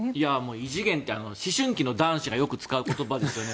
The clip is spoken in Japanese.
異次元って思春期の男子がよく使う言葉ですよね。